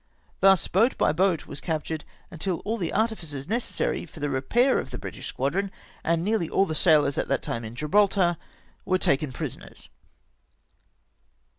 Thus boat by boat was captured until all the artificers necessary for the repair of the British squadron, and nearly all the sailors at that time in Gibraltar, were taken prisoners!